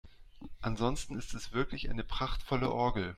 Ansonsten ist es wirklich eine prachtvolle Orgel.